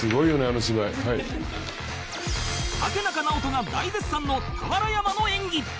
竹中直人が大絶賛の俵山の演技